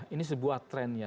ini sebuah tren ya